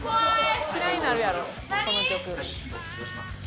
「嫌いになるやろこの曲」